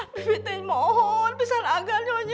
bibik teh mohon pisahkan agaknya ya